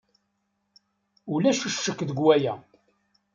Ulac ccek deg waya.